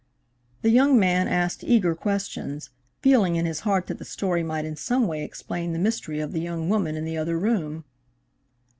The young man asked eager questions, feeling in his heart that the story might in some way explain the mystery of the young woman in the other room.